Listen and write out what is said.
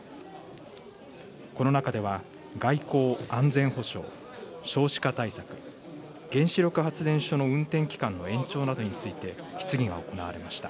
この中では外交・安全保障、少子化対策、原子力発電所の運転期間の延長などについて、質疑が行われました。